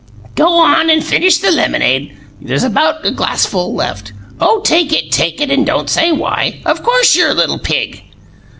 "Go on and finish the lemonade; there's about glassful left. Oh, take it, take it; and don't say why! Of COURSE you're a little pig."